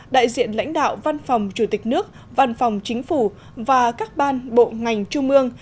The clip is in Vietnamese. đại diện lãnh đạo văn phòng chủ tịch nước văn phòng chính phủ và các ban bộ ngành trung ương